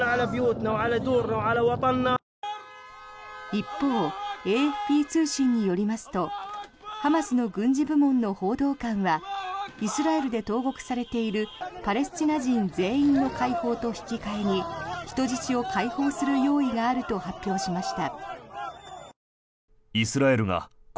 一方、ＡＦＰ通信によりますとハマスの軍事部門の報道官はイスラエルで投獄されているパレスチナ人全員の解放と引き換えに人質を解放する用意があると発表しました。